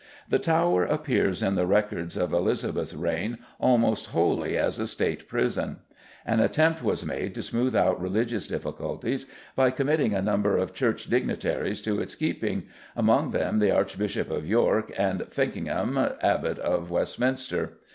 The Tower appears in the records of Elizabeth's reign almost wholly as a State prison. An attempt was made to smooth out religious difficulties by committing a number of Church dignitaries to its keeping, among them the Archbishop of York, and Feckenham, Abbot of Westminster.